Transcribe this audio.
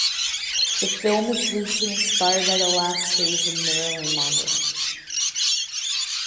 The film is loosely inspired by the last days of Marilyn Monroe.